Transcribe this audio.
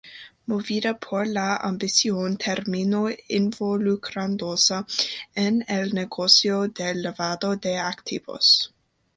Movida por la ambición, terminó involucrándose en el negocio del lavado de activos.